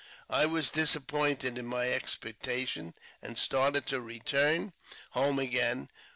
I was disappointed in my expectation, and started to return home again.